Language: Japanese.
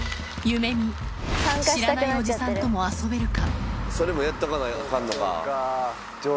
ゆめみ、知らないおじさんとも遊べるか。